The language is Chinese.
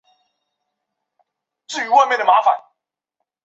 该提案被转送中央机构编制委员会。